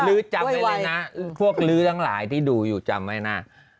จำไว้เลยนะพวกลื้อทั้งหลายที่ดูอยู่จำไว้นะ